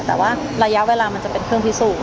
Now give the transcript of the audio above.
แต่ว่าระยะเวลามันจะเป็นเครื่องพิสูจน